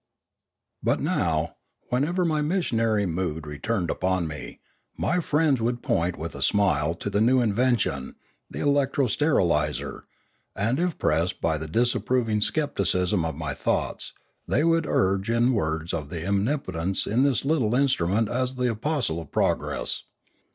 But now, whenever my missionary mood returned upon me, my friends would point with a smile to the new invention, the electro steriliser; and if pressed by the disapproving skepticism of my thoughts, they would urge in words the omnipotence of this little in strument as the apostle of progress.